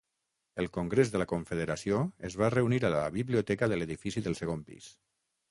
El Congrés de la Confederació es va reunir a la biblioteca de l'edifici del segon pis.